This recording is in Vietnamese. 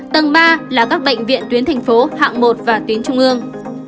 tầng ba là các bệnh viện tuyến thành phố hạng một và tuyến trung ương